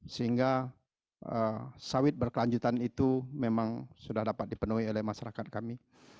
sehingga sawit berkelanjutan itu memang sudah dapat dipenuhi oleh masyarakat kami